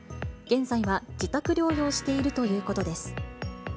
現在は自宅療養しているということです。